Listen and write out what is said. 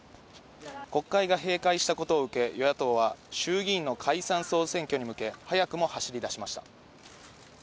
国会が閉会したことを受け、与野党は衆議院の解散・総選挙に向け、早くも走りだしました。